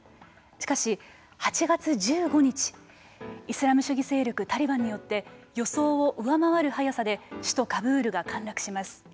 しかし、８月１５日イスラム主義勢力タリバンによって予想を上回る早さで首都カブールが陥落します。